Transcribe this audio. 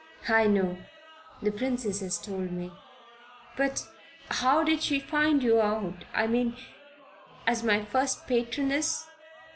"I know. The Princess has told me." "But how did she find you out I mean as my first patroness?"